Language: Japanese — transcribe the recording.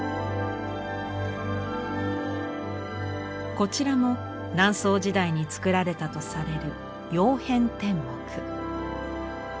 こちらも南宋時代に作られたとされる「曜変天目」。